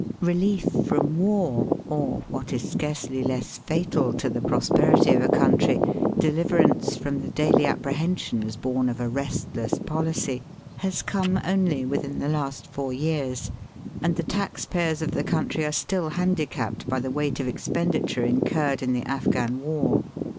Belief from war or, what is scarcely less fatal to the prosperity of a country, deliver ance from the daily apprehensions bom of a restless policy, has come only within the last four years, and the taxpayers of the country are still handicapped by the weight of ex penditure incurred in the Afghan war.